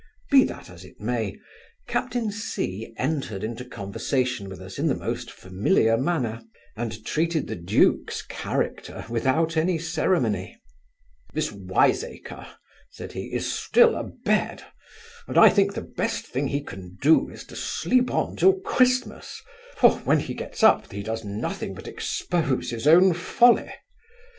Be that as it may, captain C entered into conversation with us in the most familiar manner, and treated the duke's character without any ceremony 'This wiseacre (said he) is still a bed; and, I think, the best thing he can do, is to sleep on till Christmas; for, when he gets up, he does nothing but expose his own folly.